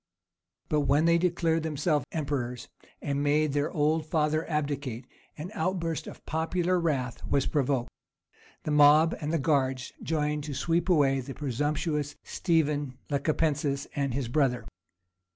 But when they declared themselves emperors and made their old father abdicate, an outburst of popular wrath was provoked. The mob and the guards joined to sweep away the presumptuous Stephen Lecapenus and his brother.